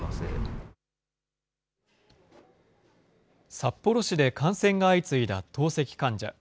札幌市で感染が相次いだ透析患者。